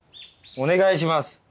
お願いします。